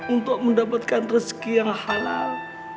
untuk mendapatkan rezeki yang halal